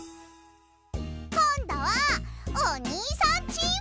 こんどはおにいさんチーム！